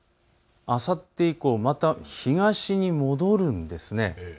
あさって以降、また東に戻るんです。